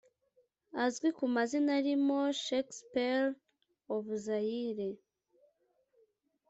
Azwi ku mazina arimo "Shakespeare of Zaire"